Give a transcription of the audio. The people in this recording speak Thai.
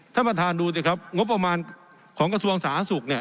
ท่านประธานดูสิครับงบประมาณของกระทรวงสาธารณสุขเนี่ย